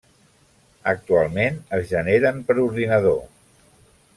Actualment es generen per ordinador.